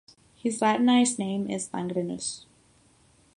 His Latinized name is Langrenus.